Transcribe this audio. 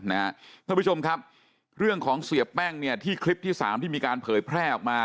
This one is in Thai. ท่านผู้ชมครับเรื่องของเสียแป้งเนี่ยที่คลิปที่๓ที่มีการเผยแพร่ออกมา